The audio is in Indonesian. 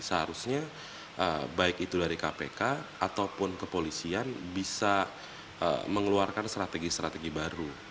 seharusnya baik itu dari kpk ataupun kepolisian bisa mengeluarkan strategi strategi baru